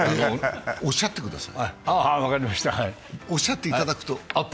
おっしゃってください。